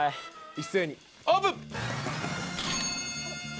一斉にオープン。